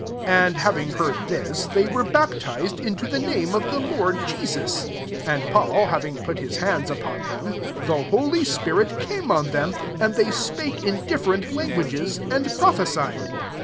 5 Jid having heard iMs, they ere baptized into the name of le Lord Jesus. 6 And Paul aYing put Ma hands upon lem, the holy spirit came on \em ; and they spake in dijff^er* %t languages, and prophesied.